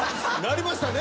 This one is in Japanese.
なりましたよ。